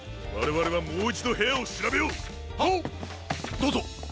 どうぞ。